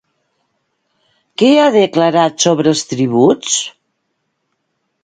Què ha declarat sobre els tributs?